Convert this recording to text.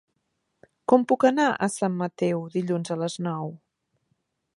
Com puc anar a Sant Mateu dilluns a les nou?